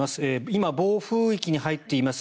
今、暴風域に入っています